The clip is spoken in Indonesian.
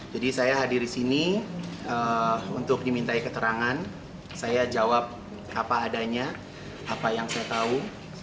jadi saya hadir di sini untuk diminta keterangan saya jawab apa adanya apa yang saya tahu